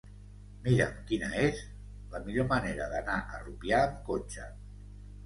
Mira'm quina és la millor manera d'anar a Rupià amb cotxe.